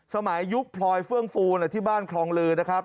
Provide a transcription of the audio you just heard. ยุคพลอยเฟื่องฟูที่บ้านคลองลือนะครับ